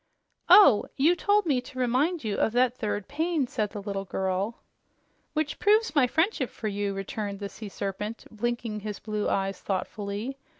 "Oh! You told me to remind you of that third pain," said the little girl. "Which proves my friendship for you," returned the Sea Serpent, blinking his blue eyes thoughtfully.